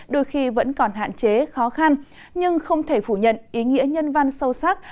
đôi khi vẫn còn hạn chế khó khăn nhưng không thể phủ nhận ý nghĩa nhân văn sâu sắc